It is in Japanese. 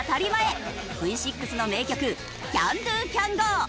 Ｖ６の名曲『Ｃａｎｄｏ！Ｃａｎｇｏ！』。